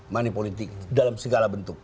moneypolitik dalam segala bentuk